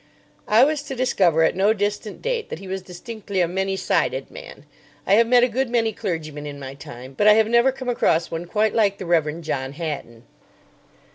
I was to discover at no distant date that he was distinctly a many sided man. I have met a good many clergymen in my time, but I have never come across one quite like the Rev. John Hatton.